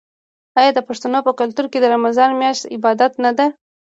آیا د پښتنو په کلتور کې د رمضان میاشت د عبادت نه ده؟